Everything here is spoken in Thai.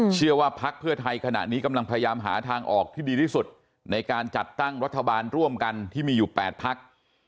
พักเพื่อไทยขณะนี้กำลังพยายามหาทางออกที่ดีที่สุดในการจัดตั้งรัฐบาลร่วมกันที่มีอยู่๘พัก